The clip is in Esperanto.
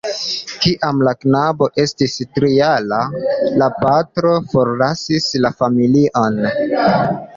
Kiam la knabo estis tri-jara, la patro forlasis la familion.